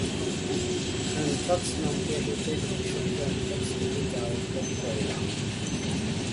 Anthrax নামটি এসেছে Greek শব্দ অ্যানথ্রাক্স থেকে যার অর্থ কয়লা।